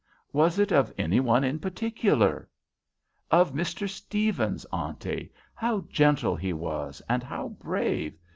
"Was it of any one in particular." "Of Mr. Stephens, Auntie. How gentle he was, and how brave!